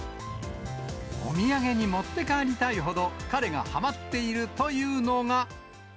お土産に持って帰りたいほど、彼がはまっているというのが。